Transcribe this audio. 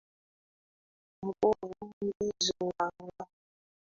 Nguvu ndizo nanga.